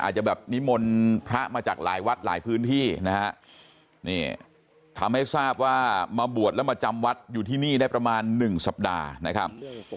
อาจจะแบบนิมนต์พระมาจากหลายวัดหลายพื้นที่นะฮะนี่ทำให้ทราบว่ามาบวชแล้วมาจำวัดอยู่ที่นี่ได้ประมาณ๑สัปดาห์นะครับ